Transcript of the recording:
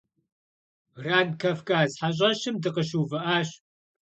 Grand Kavkaz heş'eşım dıkhışıuvı'enş.